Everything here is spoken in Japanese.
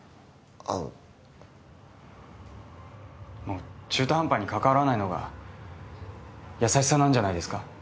あのもう中途半端にかかわらないのが優しさなんじゃないですか？